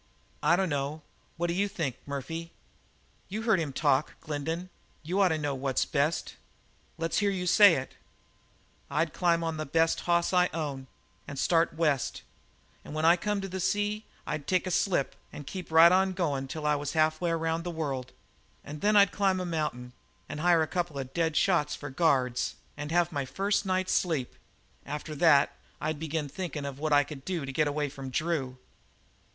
"I dunno; what d'you think, Murphy?" "You heard him talk, Glendin. You ought to know what's best." "Let's hear you say it." "I'd climb the best hoss I owned and start west, and when I come to the sea I'd take a ship and keep right on goin' till I got halfway around the world. And then I'd climb a mountain and hire a couple of dead shots for guards and have my first night's sleep. After that I'd begin thinkin' of what I could do to get away from Drew."